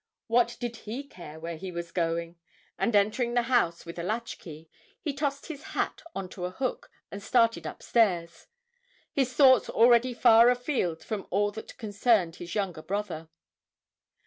What did he care where he was going, and entering the house with a latch key, he tossed his hat on to a hook and started upstairs, his thoughts already far afield from all that concerned his younger brother.